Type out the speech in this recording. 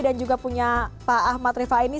dan juga punya pak ahmad rifai ini